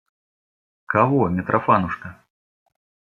Кого, Митрофанушка?